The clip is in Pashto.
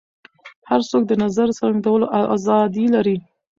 هر څوک د نظر څرګندولو ازادي لري.